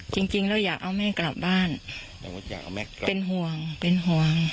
จริงจริงแล้วอยากเอาแม่กลับบ้านสมมุติอยากเอาแม่กลับเป็นห่วงเป็นห่วง